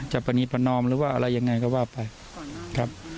ประนีประนอมหรือว่าอะไรยังไงก็ว่าไปครับ